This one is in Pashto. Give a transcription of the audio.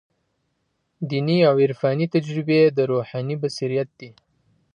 دیني او عرفاني تجربې د روحاني بصیرت دي.